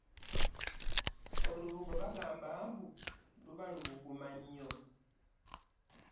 Olubugo bagamba mbu luba lubuguma nnyo.